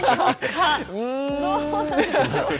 どうでしょうか。